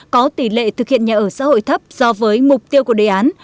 có tỷ lệ thực hiện nhà ở xã hội thấp do với mục tiêu của đề án